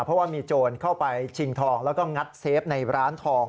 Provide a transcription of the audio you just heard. เพราะว่ามีโจรเข้าไปชิงทองแล้วก็งัดเซฟในร้านทอง